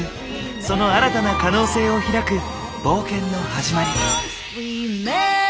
その新たな可能性を開く冒険の始まり。